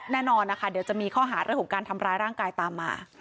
แน่นอนนะคะเดี๋ยวจะมีข้อหาเรื่องของการทำร้ายร่างกายตามมา